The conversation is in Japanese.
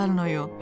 え？